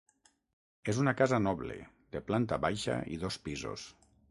És una casa noble, de planta baixa i dos pisos.